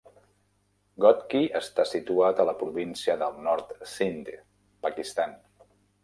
Ghotki està situat a la província del nord Sindh, Pakistan.